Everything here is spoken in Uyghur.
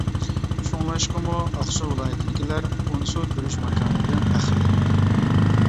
شۇڭلاشقىمۇ ئاقسۇ ۋىلايىتىدىكىلەر ئونسۇ گۈرۈچ ماكانى بىلەن پەخىرلىنىدۇ.